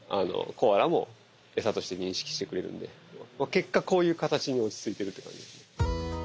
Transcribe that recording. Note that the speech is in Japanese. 結果こういう形に落ち着いているって感じですね。